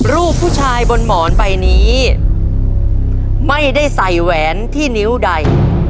รูปผู้ชายบนหมอนใบนี้ไม่ได้ใส่แหวนที่นิ้วใด